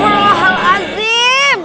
wah allah al azim